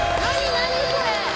何これ。